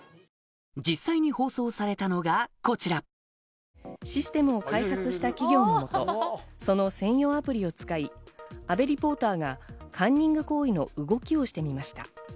実際に放送されたのがこちらシステムを開発した企業の下その専用アプリを使い阿部リポーターがカンニング行為の動きをしてみました。